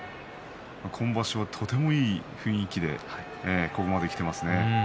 今場所は、とてもいい雰囲気でここまできていますね。